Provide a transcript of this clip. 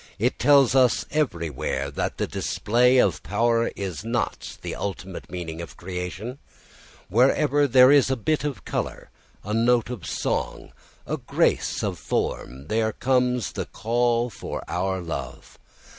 It tells us everywhere that the display of power is not the ultimate meaning of creation; wherever there is a bit of colour, a note of song, a grace of form, there comes the call for our love.